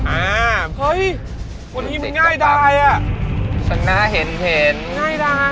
อ้าวเฮ้ยวันนี้มันง่ายดายน่ะสักหน้าเห็นมันง่ายดายน่ะสักหน้า